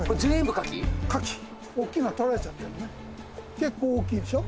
結構おっきいでしょ？